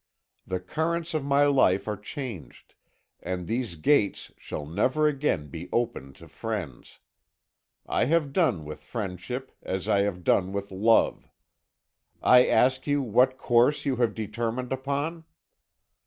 The currents of my life are changed, and these gates shall never again be opened to friends. I have done with friendship as I have done with love. I ask you what course you have determined upon?'